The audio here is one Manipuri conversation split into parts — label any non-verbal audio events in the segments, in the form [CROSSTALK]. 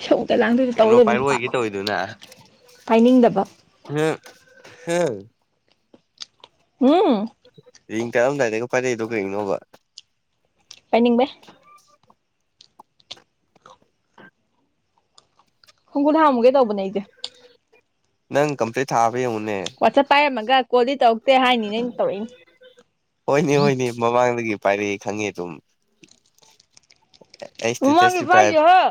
ꯏꯁꯧꯗ ꯂꯥꯡꯗꯣꯏꯗ ꯇꯧ ꯀꯩꯅꯣ ꯂꯩꯕ ꯅꯤꯄꯥ ꯄꯥꯏꯔꯛꯑꯣꯏꯒꯦ ꯇꯧꯋꯤꯗꯨꯅ ꯄꯥꯏꯅꯤꯡꯗꯕ ꯍꯦ ꯍꯨꯝ ꯔꯤꯡ ꯇꯠꯂꯝꯗꯥꯏꯗꯒ ꯄꯥꯏꯔꯛꯏꯗꯣ ꯀꯩꯒꯤꯅꯣꯕ ꯄꯥꯏꯅꯤꯡꯕ ꯈꯣꯡ ꯈꯨꯠ ꯍꯥꯥꯝꯃꯨꯒꯦ ꯇꯧꯕꯅ ꯑꯩꯖ ꯅꯪ ꯀꯝꯄꯂꯤꯠ ꯊꯥ ꯕꯌꯦꯡꯉꯨꯅꯦ ꯋꯥꯆꯞ ꯄꯥꯏꯔꯝꯃꯒ ꯀꯣꯜꯗꯤ ꯇꯧꯔꯛꯇꯦ ꯍꯥꯏꯅꯤꯅ ꯑꯩꯅ ꯍꯣꯏꯅꯦ ꯇꯧꯔꯛꯏꯅꯤ ꯍꯣꯏꯅꯦ ꯃꯃꯥꯡꯗꯒꯤ ꯄꯥꯏꯔꯛꯑꯦ ꯈꯪꯉꯦ ꯑꯗꯨꯝ ꯑꯩ ꯃꯃꯥꯡꯗꯤ ꯏꯁꯇꯦꯇꯁꯁꯨ ꯄꯥꯏ ꯄꯥꯏꯗꯦꯍꯦ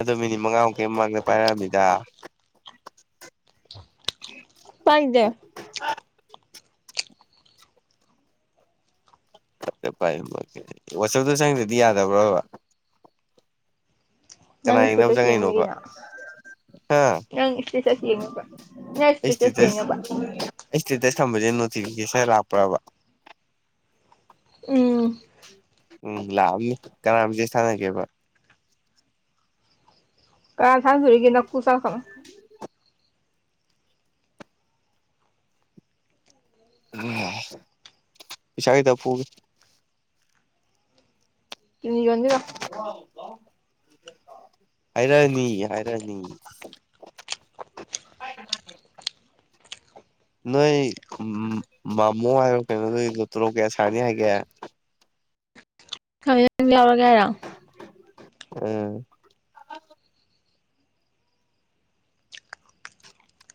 ꯑꯗꯣ ꯃꯤꯅꯤꯠ ꯃꯉꯥꯃꯨꯛ ꯀꯤ ꯃꯃꯥꯡꯗ ꯄꯥꯏꯔꯛꯑꯃꯤꯗ ꯄꯥꯏꯗꯦ ꯉꯥꯁꯥꯢꯗꯩ ꯄꯥꯢꯔꯝꯃꯥꯒ ꯋꯥꯆꯦꯞꯇ ꯆꯪꯗ꯭ꯔꯗꯤ ꯌꯥꯗ꯭ꯔꯥꯕꯥꯕ ꯅꯪ ꯏꯁꯇꯦꯇꯥꯁ ꯌꯦꯡꯕꯅꯤ ꯆꯪꯉꯛꯏꯅꯣꯕ ꯀꯩꯅꯣ ꯍꯥ ꯅꯪ ꯏꯁꯇꯦꯇꯥꯁ ꯌꯦꯡꯉꯕ ꯅꯪ ꯑꯩ ꯏꯁꯇꯦꯠꯁ ꯏꯁꯇꯦꯇꯁ ꯌꯦꯡꯉꯥꯕ ꯑꯩ ꯏꯁꯇꯦꯇꯥꯁ ꯊꯝꯕꯁꯦ ꯅꯣꯇꯤꯐꯤꯀꯦꯁꯟ ꯂꯥꯛꯄ꯭ꯔꯥꯕ ꯎꯝ ꯎꯝ ꯂꯥꯛꯑꯝꯅꯤ ꯀꯅꯥ ꯃꯦꯁꯦꯁ ꯊꯥꯅꯥꯒꯦꯕ ꯀꯥꯠ ꯀꯥꯅꯥ ꯊꯅꯥꯗꯧꯔꯤꯒꯦ ꯅꯥꯀꯣꯛ ꯆꯥꯛꯂꯛꯀꯥꯅꯣ ꯎꯝ ꯄꯩꯁꯥꯈꯤꯇꯥ ꯄꯨꯒꯦ ꯀꯤꯠꯅꯤ ꯌꯣꯟꯒꯦ ꯂꯥꯎ ꯍꯥꯏꯔꯛꯑꯅꯤ ꯍꯥꯏꯔꯛꯑꯅꯤ ꯅꯣꯏ ꯃꯃꯣ ꯍꯥꯏꯕꯔꯥ ꯀꯩꯅꯣ ꯅꯣꯏ ꯊꯣꯂꯣꯞ ꯀꯥꯌꯥ ꯁꯥꯅꯤ ꯍꯥꯏꯒꯦ ꯈꯥ ꯅꯪ ꯌꯥꯎꯔꯒꯦ ꯍꯥꯏꯔꯣ ꯎꯝ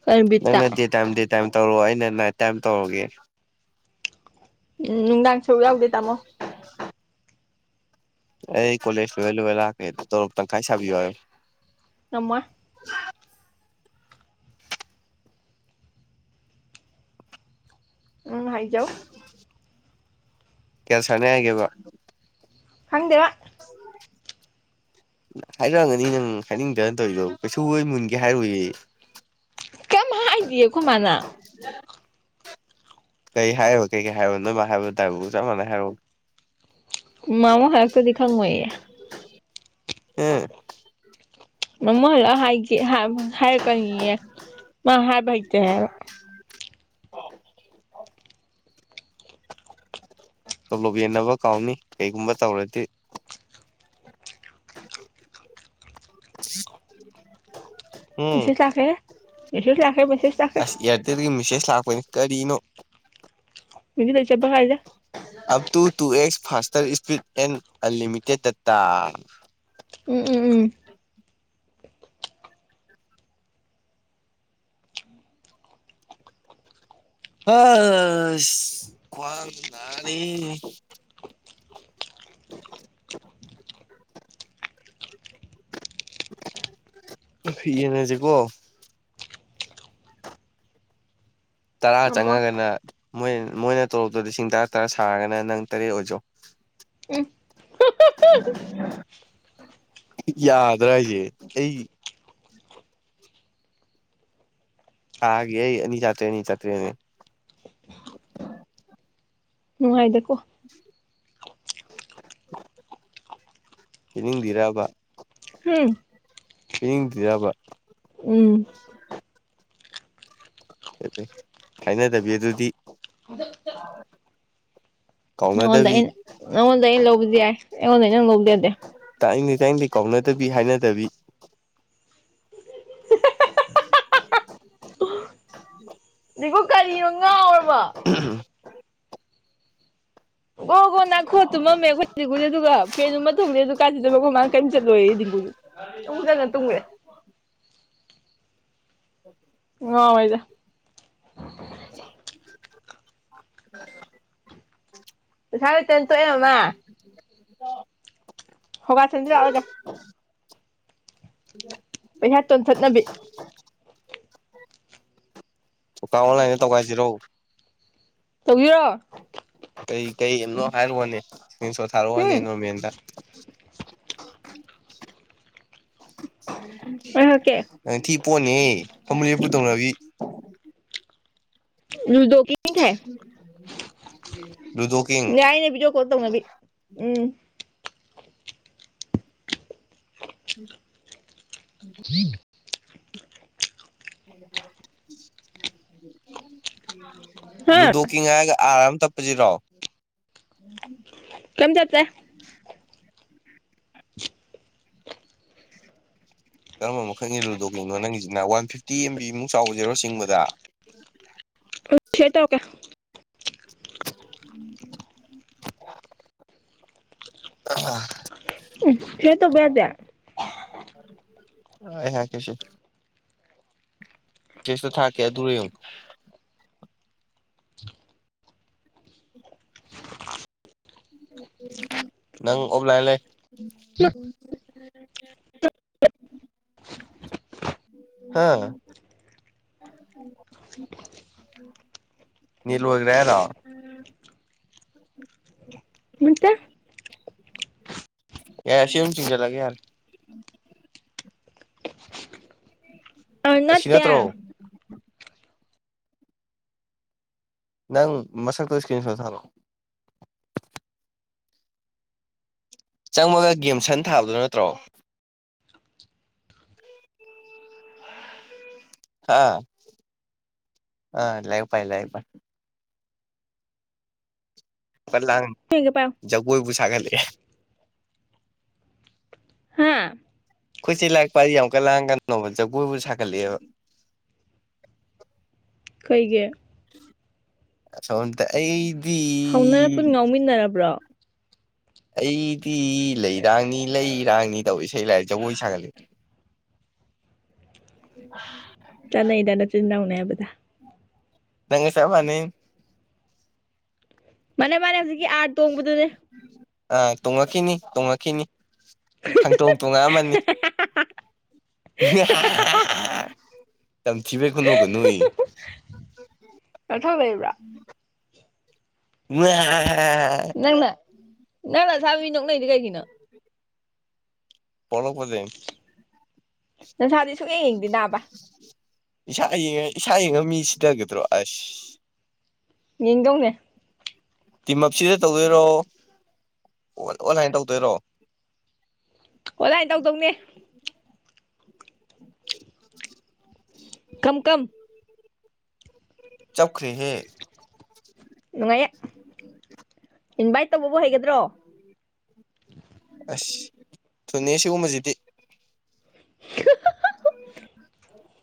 ꯀꯩ ꯕꯤꯠꯇ ꯅꯪꯅ ꯗꯦ ꯇꯥꯢꯝ ꯗꯦ ꯇꯥꯢꯝ ꯇꯧꯔꯣ ꯑꯩꯅ ꯅꯥꯏꯠ ꯇꯥꯏꯝ ꯇꯧꯔꯒꯦ ꯎꯝ ꯅꯨꯡꯗꯥꯡ ꯁꯔꯨꯛ ꯌꯥꯎꯗꯦ ꯇꯥꯃꯣ ꯑꯩ ꯀꯣꯂꯦꯖ ꯂꯣꯢꯔꯥ ꯂꯣꯢꯔꯥ ꯂꯥꯛꯀꯦ ꯇꯣꯂꯣꯞ ꯇꯪꯈꯥꯏ ꯁꯕꯤꯌꯣ ꯍꯥꯢꯌꯣ ꯉꯝꯃꯣꯢ ꯅꯪ ꯍꯥꯏꯖꯧ ꯀꯌꯥꯁꯥꯅꯤ ꯍꯥꯏꯒꯦꯕ ꯈꯪꯗꯦꯕ ꯍꯥꯏꯔꯛꯑꯝꯒꯅꯤ ꯅꯪ ꯍꯥꯏꯅꯤꯡꯗꯥꯅ ꯇꯧꯔꯤꯗꯣ ꯀꯩꯁꯨ ꯈꯣꯢ ꯃꯨꯟꯒꯦ ꯍꯥꯏꯔꯣꯏꯌꯦ ꯀꯦꯝ ꯍꯥꯏꯗꯤꯌꯦ ꯀꯣꯢ ꯃꯥꯅ ꯀꯩ ꯍꯥꯌꯣ ꯀꯩꯀꯩ ꯍꯥꯏꯔꯣꯅ ꯅꯣꯏꯃꯥꯅ ꯍꯥꯏꯕ ꯇꯥꯕꯕꯨ ꯆꯞ ꯃꯥꯟꯅꯥꯅ ꯍꯥꯏꯔꯛꯎ ꯃꯃꯣ ꯍꯜꯂꯛꯇ꯭ꯔꯥꯗꯤ ꯈꯥꯪꯉꯣꯢꯌꯦ ꯑꯦ [INAUDIBLE] ꯃꯃꯣ ꯍꯜꯂꯛꯑꯒ ꯍꯥꯏꯒꯦ ꯍꯥꯢꯔꯛꯀꯥꯅꯤꯌꯦ ꯃꯥ ꯍꯥꯏꯕ ꯍꯩꯇꯦ ꯍꯥꯏꯕ ꯇꯣꯜꯂꯣꯞ ꯌꯦꯟꯅꯕ ꯀꯥꯎꯅꯤ ꯀꯩꯒꯨꯝꯕ ꯇꯧꯔꯗꯤ [INAUDIBLE] ꯎꯝ ꯃꯦꯁꯦꯁ ꯂꯥꯛꯈ꯭ꯔꯦꯍꯦ ꯃꯦꯁꯦꯁ ꯂꯥꯛꯈ꯭ꯔꯦ ꯃꯦꯁꯦꯁ ꯂꯥꯛꯈ꯭ꯔꯦ ꯃꯦꯁꯦꯁ ꯂꯥꯛꯄꯅꯤ ꯀꯔꯤꯅꯣ ꯃꯤꯗꯤ ꯂꯩꯖꯕꯒꯥꯏꯁꯦ up to two X faster speed and unlimited data um um um ꯑꯥ ꯑꯥ ꯑꯁ ꯈꯋꯥꯡ ꯅꯥꯔꯦ [UNINTELLIGIBLE] [UNINTELLIGIBLE] ꯪꯐꯤ ꯌꯦꯟꯅꯁꯤꯀꯣ ꯇꯔꯥ ꯉꯝꯃꯣꯏ ꯆꯪꯉꯒꯅ ꯃꯣꯏ ꯃꯣꯏꯅ ꯇꯣꯂꯣꯞꯇꯣ ꯂꯤꯁꯤꯡ ꯇꯔꯥ ꯇꯔꯥ ꯁꯥꯔꯒꯅ ꯅꯪ ꯇꯔꯦꯠ ꯑꯣꯏꯖꯧ ꯎꯝ ꯌꯥꯗ꯭ꯔꯥ ꯍꯥꯏꯁꯦ ꯑꯩ ꯊꯥꯒꯤ ꯑꯩ ꯑꯅꯤ ꯆꯇ꯭ꯔꯦꯠ ꯑꯅꯤ ꯆꯥꯇ꯭ꯔꯦꯠꯅꯤ ꯅꯨꯡꯥꯉꯥꯏꯗꯀꯣ ꯄꯤꯅꯤꯡꯗꯤꯔꯕ ꯎꯝ ꯄꯤꯅꯤꯡꯗꯤꯔꯕ ꯎꯝ ꯀꯥꯏꯅꯗꯕꯤ ꯑꯗꯨꯗꯤ ꯅꯉꯣꯟꯗ ꯀꯥꯎꯅꯗꯕꯤ ꯑꯩꯅ ꯅꯉꯣꯟꯗꯩ ꯑꯩꯅ ꯂꯧꯕꯗꯤ ꯌꯥꯏ ꯑꯩꯉꯣꯟꯗꯩ ꯅꯪꯅ ꯂꯧꯕꯗꯤ ꯗꯥꯗꯦ ꯇꯥꯅꯤꯡꯗꯦ ꯇꯥꯅꯤꯡꯗꯦ ꯀꯧꯅꯎꯅꯗꯕꯤ ꯍꯥꯏꯅꯗꯕꯤ ꯗꯤꯒꯨ ꯀꯔꯤꯅꯣ ꯉꯥꯎꯔꯕꯣ [UNINTELLIGIBLE] ꯑꯍꯝ [INAUDIBLE] ꯒꯣ ꯒꯣ ꯅꯪꯈꯣꯑꯒ ꯇꯨꯝꯃꯝꯃꯦ ꯑꯩꯈꯣꯏ ꯗꯤꯡꯒꯨ ꯑꯗꯨꯒ ꯐꯦꯟ ꯍꯨꯝꯃꯒ ꯊꯣꯔꯛꯑꯦ ꯑꯗꯒ ꯀꯥꯏ ꯆꯠꯇꯣꯏꯕ ꯑꯈꯣꯏꯃꯥꯅ ꯀꯔꯤꯝ ꯆꯠꯂꯣꯏꯌꯦ ꯗꯤꯡꯒꯨ ꯑꯃꯨꯛ ꯆꯪꯂꯒ ꯇꯨꯝꯈꯨꯔꯦ [INAUDIBLE] ꯑꯣ [INAUDIBLE] ꯉꯥꯎꯋꯦꯗ [INAUDIBLE] ꯄꯩꯁꯥ ꯂꯩꯇꯕꯅꯤꯅ ꯇꯣꯛꯑꯦ ꯃꯥꯃꯥ ꯍꯣ ꯍꯣꯒꯥ ꯁꯥꯟꯅꯁꯤ ꯂꯥꯛꯑꯣ ꯑꯩꯒ ꯄꯩꯁꯥ ꯇꯣꯟꯊꯠꯅꯕꯤ [UNINTELLIGIBLE] ꯑꯣꯟꯂꯥꯏꯟꯗ ꯇꯧꯒꯥꯏꯁꯤꯔꯣ ꯇꯧꯖꯤꯔꯣ ꯀꯩ ꯀꯩꯅꯣ ꯍꯥꯏꯔꯛꯋꯣꯅꯦ ꯁ꯭ꯀꯔꯤꯟꯁꯣꯠ ꯎꯝ ꯊꯥꯔꯛꯑꯣꯅꯦ ꯅꯣꯔꯃꯦꯟꯗ ꯑꯣꯏꯍꯀꯦ ꯊꯤ ꯄꯣꯠꯅꯤꯍꯦ ꯐꯝꯃꯨ ꯂꯦꯞꯄꯨ ꯇꯧꯅꯕꯤ ꯂꯨꯗꯣ ꯀꯤꯡ ꯊꯥꯏ ꯂꯨꯗꯣ ꯀꯤꯡ ꯌꯥꯏꯅꯦ ꯕꯤꯗꯤꯌꯣ ꯀꯣꯜ ꯇꯧꯅꯕꯤ ꯎꯝ ꯎꯝ [UNINTELLIGIBLE] [UNINTELLIGIBLE] ꯍꯥ ꯂꯨꯗꯣ ꯀꯤꯡ ꯍꯥꯏꯒ ꯑꯔ ꯑꯃ ꯇꯞꯄꯁꯤꯔꯣ ꯀꯦꯝ ꯆꯠꯇꯦ ꯀꯔꯝꯕ ꯃꯈꯟꯒꯤ ꯂꯨꯗꯣ ꯀꯤꯡꯅꯣ ꯅꯪꯒꯤꯁꯤꯅ ꯋꯥꯟꯐꯤꯐꯇꯤ ꯑꯦꯝꯕꯤ ꯃꯨꯛ ꯆꯥꯎꯕꯁꯤꯔꯣ ꯆꯤꯡꯕꯗ ꯀꯩ ꯇꯧꯔ ꯀꯦ ꯎ [INAUDIBLE] ꯑꯍꯥ ꯁꯤꯌꯔ ꯇꯧꯕ ꯌꯥꯗꯦ ꯑꯩ ꯍꯥꯢꯔꯛꯀꯦꯁꯦ ꯀꯦꯁꯇꯨ ꯊꯥꯔꯀꯦ ꯑꯗꯨꯔ ꯌꯦꯡꯎ ꯅꯪ ꯑꯣꯕ ꯂꯥꯢꯜ ꯂꯩꯩ ꯍꯥ ꯅꯦꯠ ꯂꯣꯢꯒ꯭ꯔꯦ ꯍꯥꯢꯔꯣ ꯅꯠꯇꯦ ꯌꯥꯔꯦ ꯁꯤ ꯑꯍꯨꯝ ꯆꯤꯡꯖꯤꯜꯂꯒꯦ ꯌꯥꯔꯦ ꯑ ꯑꯁꯤ ꯅꯠꯇꯦ ꯅꯠꯇ꯭ꯔꯣ ꯅꯪ ꯃꯁꯛꯇꯨ ꯏꯁꯀ꯭ꯔꯤꯟ ꯁꯣꯠ ꯊꯥꯔꯛꯑꯣ ꯆꯪꯕꯒ ꯒꯦꯝ ꯁꯟ ꯊꯥꯕꯗꯨ ꯅꯠꯇ꯭ꯔꯣ ꯑꯥ ꯑ ꯂꯩꯥ ꯄꯥꯏ ꯂꯩ ꯄꯥꯏ ꯄ ꯂꯥꯡ ꯀꯩꯒ ꯄꯥꯏꯌꯨ ꯖꯒꯣꯏꯕꯨ ꯁꯥꯒꯠꯂꯛꯑꯦ ꯍꯥꯥ ꯀꯣꯏ ꯆꯦ ꯂꯥꯏꯔꯤꯛ ꯄꯥꯔꯤ ꯌꯥꯝ ꯀꯥꯟ ꯂꯥꯡꯒꯅꯣꯕ ꯖꯒꯣꯏꯕꯨ ꯁꯥꯒꯠꯂꯛꯑꯦꯕ ꯀꯩꯒꯤ ꯑꯁꯣꯝꯗ ꯑꯩ ꯍꯧꯅꯔ ꯄꯨꯟ ꯉꯥꯎꯃꯤꯟꯅꯔꯕ꯭ꯔꯣ ꯑꯩꯗꯤ ꯂꯩꯔꯥꯡꯅꯤ ꯂꯩꯔꯥꯡꯅꯤ ꯇꯧ ꯏꯁꯩ ꯂꯥꯏ ꯖꯒꯣꯏ ꯁꯥꯒꯠꯂꯛꯑꯦ ꯍꯥ ꯆꯥꯅꯩꯗ ꯅꯆꯤꯟ ꯅꯅꯥꯎ ꯃꯦꯕꯗ ꯅꯪꯒ ꯆꯞ ꯃꯥꯅꯩ ꯃꯥꯅꯦ ꯃꯥꯅꯦ ꯍꯧꯖꯤꯛꯀꯤ ꯑꯥꯔꯠ ꯇꯣꯡꯕꯗꯨꯅꯦ ꯑ ꯇꯣꯡꯉꯈꯤꯅꯤ ꯇꯣꯡꯉꯈꯤꯅꯤ ꯈꯪꯇꯣꯡ ꯇꯣꯡꯉꯛ ꯑꯝꯃꯅꯤ ꯌꯥꯝꯝ ꯍꯥ ꯍꯥ ꯍꯥ ꯇꯝꯊꯤꯕꯩ ꯈꯨꯅꯣꯀ ꯅꯣꯛꯏꯌꯦ ꯅꯊꯧ ꯂꯩꯕ꯭ꯔꯥ [INAUDIBLE] ꯃꯦ ꯍꯥ ꯍꯥꯍꯥ ꯊ ꯃꯤ ꯅꯣꯛꯅꯩꯗꯣ ꯀꯩꯒꯤꯅꯣ ꯄꯣꯛꯂꯛꯄꯗꯩꯅꯤ ꯅꯁꯥꯗꯤ ꯁꯨꯛꯌꯦꯡ ꯌꯦꯡꯗ ꯅꯥꯕ ꯏꯁꯥ ꯌꯦꯡꯉ ꯏꯁꯥ ꯌꯦꯡꯉ ꯃꯤ ꯁꯤꯊꯒꯗ꯭ꯔꯣ ꯑꯁ ꯌꯦꯡꯗꯧꯅꯦ ꯇꯤꯝꯑꯞꯁꯤꯗ ꯇꯧꯗꯣꯏꯔꯣ ꯑꯣ ꯑꯣꯟꯂꯥꯏꯅ ꯇꯧꯗꯣꯏꯔꯣ ꯑꯣꯟꯂꯥꯏꯟ ꯇꯧꯗꯧꯅꯦ [INAUDIBLE] ꯀꯝ ꯀꯝ ꯆꯞ ꯈ꯭ꯔꯦꯍꯦ ꯅꯨꯡꯉꯥꯏꯌꯦ ꯏꯟꯚꯥꯏꯠ ꯇꯧꯕꯕꯨ ꯍꯩꯒꯗ꯭ꯔꯣ ꯑꯁ ꯊꯨꯅꯤ ꯁꯤꯒꯨꯝꯕꯁꯤꯗꯤ ꯍꯥ ꯍꯥ ꯍꯥ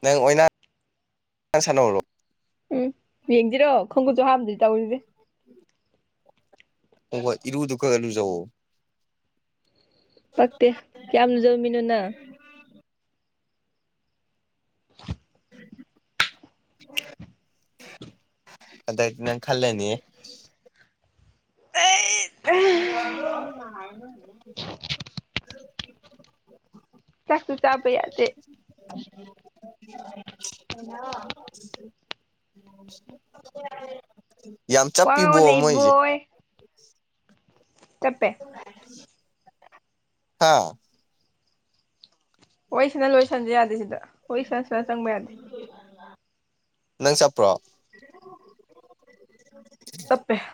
ꯅꯪ ꯑꯣꯏꯅꯥ ꯁꯅꯔꯨꯔꯣ ꯎꯝ ꯌꯦꯡꯁꯤꯔꯣ ꯈꯣꯡꯈꯨꯠꯁꯨ ꯍꯥꯝꯗꯔꯤ ꯇꯧꯔꯤꯁꯦ ꯑꯣ ꯍꯣꯏ ꯏꯔꯨꯗꯨ ꯈꯔ ꯈꯔ ꯂꯨꯖꯧꯋꯣ ꯄꯛꯇꯦ ꯀꯌꯥꯝ ꯖꯧꯝꯃꯤꯅꯣ ꯅꯪ [INAUDIBLE] ꯑꯗꯗꯤ ꯅꯪ ꯈꯜꯂꯅꯤꯌꯦ [UNINTELLIGIBLE] [INAUDIBLE] ꯆꯥꯛꯁꯨ ꯆꯥꯕ ꯌꯥꯗꯦ ꯍꯥ [INAUDIBLE] ꯌꯥꯝ ꯋꯥ ꯆꯞꯄꯤꯕꯣ ꯉꯥꯡꯉꯣꯅꯦ ꯃꯣꯏꯁꯦ ꯏꯕꯣꯏ ꯆꯞꯄꯦ ꯑꯥ ꯋꯥꯔꯤꯁꯅ ꯂꯣꯏꯁꯟꯖꯦ ꯌꯥꯗꯦ ꯁꯤꯗ ꯍꯣꯏ ꯁꯔ ꯁꯔ ꯆꯪꯕ ꯌꯥꯗꯦ ꯅꯪ ꯆꯠꯄ꯭ꯔꯣ ꯆꯞꯄꯦ [UNINTELLIGIBLE]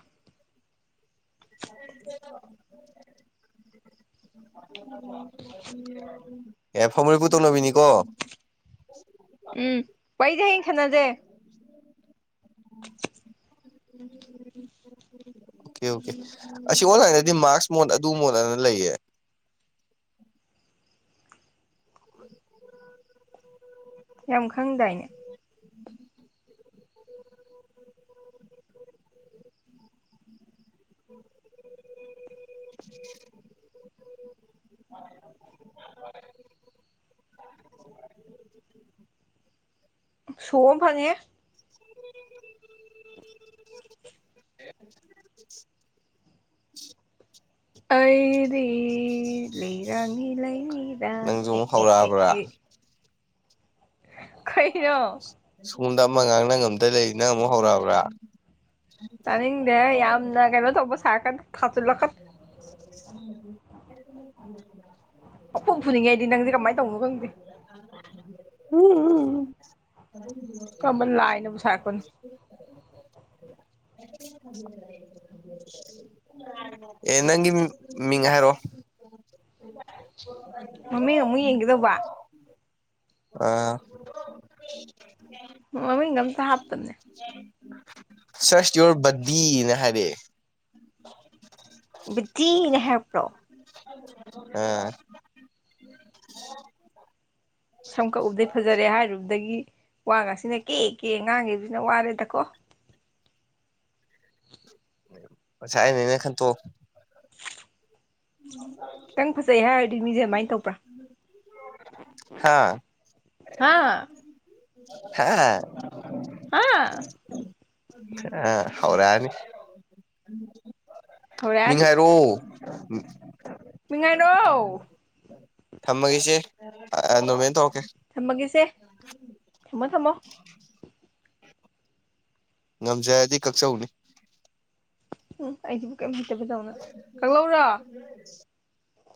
ꯑꯦ ꯐꯃꯨ ꯂꯦꯞꯄꯨ ꯇꯧꯅꯕꯤꯅꯤ ꯀꯣ ꯎꯝ ꯋꯥꯔꯤꯖꯦ ꯍꯌꯦꯡ ꯁꯥꯅꯥꯖꯦ ꯑꯣꯀꯦ ꯑꯣꯀꯦ ꯑꯁꯤ ꯑꯣꯟꯂꯥꯏꯟꯗꯗꯤ ꯃꯥꯛꯁ ꯃꯣꯠ ꯑꯗꯨ ꯃꯣꯠꯅ ꯂꯩꯌꯦ [INAUDIBLE] ꯌꯥꯝ ꯈꯪꯗꯥꯏꯅꯦ [INAUDIBLE] ꯁꯣ ꯑꯃ ꯐꯪꯉꯦ ꯑꯩꯗꯤ ꯂꯩꯔꯥꯡꯅꯤ ꯂꯩ ꯔꯥꯡ ꯅꯪꯁꯨ ꯑꯦ ꯑꯃꯨꯛ ꯑꯦ ꯑꯦ ꯑꯦ ꯀꯩꯅꯣ [INAUDIBLE] ꯄꯨꯡꯗ ꯑꯃ ꯉꯥꯡꯅ ꯉꯝꯗ ꯂꯩ ꯅꯪ ꯑꯃꯨꯛ ꯍꯧꯔꯛꯑꯕ꯭ꯔꯥ [INAUDIBLE] [INAUDIBLE] ꯇꯥꯅꯤꯡꯗꯦ ꯌꯥꯝꯅ ꯀꯩꯅꯣ ꯇꯧꯕ ꯁꯥꯔꯛꯀꯅꯨ ꯊꯥꯖꯤꯜꯂꯛꯀꯅꯨ ꯄꯪꯐꯨꯗ ꯐꯨꯅꯤꯡꯉꯦ ꯑꯩꯗꯤ ꯅꯪꯁꯦ ꯀꯃꯥꯏ ꯇꯧꯕꯅꯣ ꯈꯪꯗꯦ ꯎꯝ [UNINTELLIGIBLE] ꯀꯔꯝꯕ ꯂꯥꯏꯅꯕꯨ ꯁꯥꯔꯛꯄꯅꯣ ꯑꯦ ꯅꯪꯒꯤ ꯃꯤꯡ ꯃꯤꯡ ꯍꯥꯏꯔꯛꯑꯣ ꯃꯃꯤꯡ ꯑꯃꯨꯛ ꯌꯦꯡꯒꯦꯗꯧꯕ ꯑꯥ ꯃꯃꯤꯡꯒ ꯑꯝꯇ ꯍꯥꯞꯇꯕꯅꯦ ꯁꯔꯁ ꯌꯣꯔ ꯕꯗꯤꯅ ꯍꯥꯏꯔꯛꯑꯦ ꯕꯗꯤꯅ ꯍꯥꯢꯔꯛꯄ꯭ꯔꯣ ꯑ ꯁꯝ ꯀꯛꯎꯕꯗꯩ ꯐꯖꯔꯦ ꯍꯥꯏꯔꯨꯕꯗꯒꯤ ꯋꯥ ꯒꯥꯁꯤꯅ ꯀꯦ ꯀꯦ ꯉꯥꯡꯈꯤꯕꯁꯤꯅ ꯋꯥꯔꯦꯗꯀꯣ ꯃꯁꯥꯢꯅꯦꯅ ꯈꯟꯇꯣꯛꯑꯣ ꯎꯝ ꯈꯤꯇꯪ ꯐꯖꯩ ꯍꯥꯏꯔꯨꯔꯗꯤ ꯃꯤꯁꯦ ꯑꯗꯨꯃꯥꯏꯅ ꯇꯧꯕ꯭ꯔꯥ ꯍꯥ ꯍꯥ ꯍꯥ ꯍꯥ ꯍꯥ ꯍꯧꯔꯛ ꯑꯥꯅꯤ ꯃꯤꯡ ꯍꯧꯔꯛꯑꯅꯤ ꯍꯥꯏꯔꯣ ꯎꯝ ꯃꯤꯡꯍꯥꯏꯔꯣ ꯊꯝꯃꯒꯦ ꯏꯆꯦ ꯑꯥ ꯅꯣꯔꯃꯦꯟꯗ ꯇꯧ ꯊꯝꯃꯥꯒꯦꯁꯦ ꯊꯝꯃꯣ ꯊꯝꯃꯣ ꯉꯝꯖꯥꯔꯥꯗꯤ ꯀꯛꯆꯧꯅꯦ ꯎꯝ ꯑꯩꯁꯤꯕꯨ ꯀꯦꯝ ꯍꯩꯠ ꯇꯥꯕꯗꯧꯅ ꯀꯛꯂꯛꯎꯔꯣ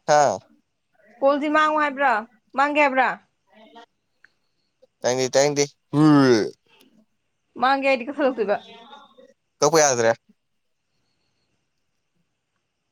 ꯍꯥꯥ ꯀꯣꯜꯁꯤ ꯃꯥꯡꯉꯨ ꯍꯥꯏꯕ꯭ꯔꯥ ꯃꯥꯡꯒꯦ ꯍꯥꯏꯕ꯭ꯔꯥ ꯊꯥꯅꯤꯡꯗꯦ ꯊꯥꯅꯤꯡꯗꯦ ꯎꯨ꯭ꯋꯦ ꯃꯥꯡꯒꯦ ꯍꯥꯢꯗꯤ ꯀꯛꯊꯠꯂꯛꯇꯣꯏꯕ ꯊꯧꯕ ꯌꯥꯗ꯭ꯔꯦ